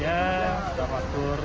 ya sudah matur